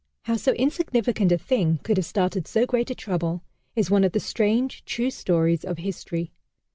How so insignificant a thing could have started so great a trouble is one of the strange, true stories of history.